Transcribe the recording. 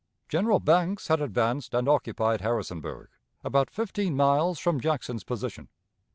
General Banks had advanced and occupied Harrisonburg, about fifteen miles from Jackson's position.